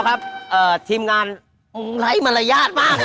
พวกเราครับทีมงานไร้มารยาทมาก